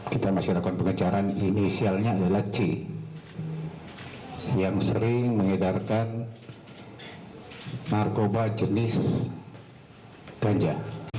kita masih lakukan pengejaran inisialnya adalah c yang sering mengedarkan narkoba jenis ganja